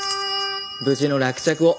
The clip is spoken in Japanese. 無事の落着を。